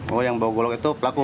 oh yang bawa golok itu pelaku